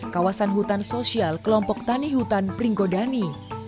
kawasan hutan sosial kelompok tani hutan pringgodani